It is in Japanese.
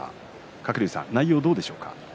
鶴竜さん、内容はどうでしょうか。